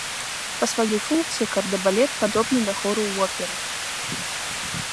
Па сваёй функцыі кардэбалет падобны да хору ў оперы.